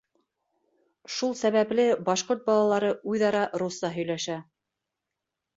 Шул сәбәпле башҡорт балалары үҙ-ара русса һөйләшә.